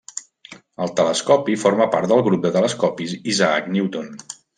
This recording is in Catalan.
El telescopi forma part del Grup de telescopis Isaac Newton.